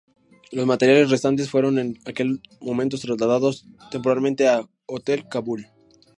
Los materiales restantes fueron en aquel momento trasladados temporalmente al Hotel Kabul.